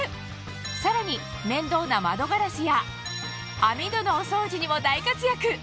さらに面倒な窓ガラスや網戸のお掃除にも大活躍！